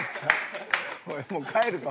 おいもう帰るぞ。